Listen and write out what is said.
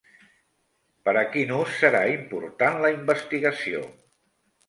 Per a quin ús serà important la investigació?